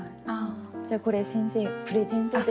じゃあこれ先生プレゼントで。